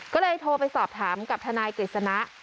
ก็เลยโทรไปสอบถามกับทนายกฤษณะ